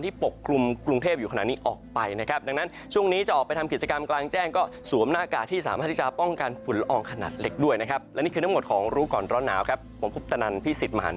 ที่ปกกลุ่มกรุงเทพฯอยู่ขนาดนี้ออกไป